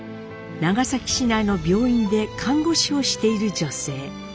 長崎市内の病院で看護師をしている女性。